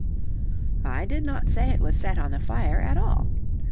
"I did not say it was set on the fire at all.